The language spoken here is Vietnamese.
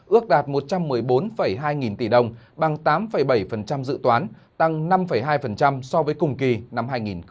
ước đạt một trăm một mươi bốn hai nghìn tỷ đồng bằng tám bảy dự toán tăng năm hai so với cùng kỳ năm hai nghìn một mươi tám